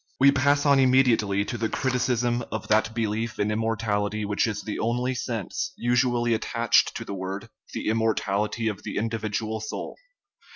We pass on immediately to the criticism of that belief in immortality which is the only sense usually attached to the word, the im mortality of the individual soul.